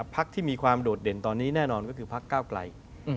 พักที่มีความโดดเด่นตอนนี้แน่นอนก็คือพักก้าวไกล